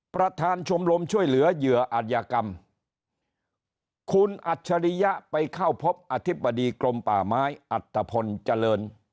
ประธานชมรมช่วยเหลือเหยื่ออัธยกรรมคุณอัจฉริยะไปเข้าพบอธิบดีกรมป่าไม้อัตภพลเจริญ